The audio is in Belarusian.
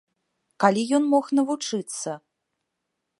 Калі ён мог навучыцца?